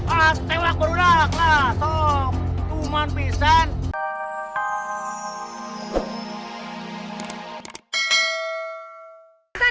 ate wak berudak lah sok cuman pisan